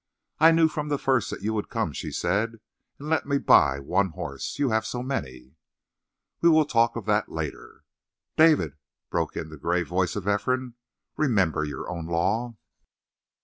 "I knew from the first that you would come," she said, "and let me buy one horse you have so many." "We will talk of that later." "David," broke in the grave voice of Ephraim, "remember your own law!"